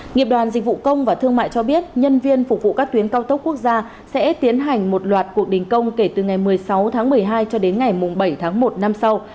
nghiệp đoàn dịch vụ công và thương mại cho biết nhân viên phục vụ các tuyến cao tốc quốc gia sẽ tiến hành một loạt cuộc đình công kể từ ngày một mươi sáu tháng một mươi hai cho đến ngày bảy tháng một năm sau